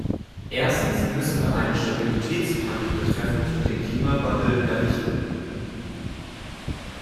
Erstens müssen wir einen Stabilitätspakt betreffend den Klimawandel errichten.